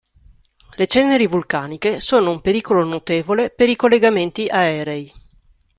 Le ceneri vulcaniche sono un pericolo notevole per i collegamenti aerei.